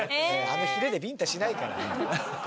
あのヒレでビンタしないから。